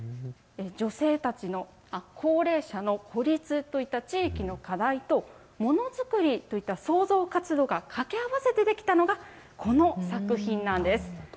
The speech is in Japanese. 女性たちの、高齢者の孤立といった地域の課題とものづくりといった創造活動が掛け合わせて出来たのが、この作品なんです。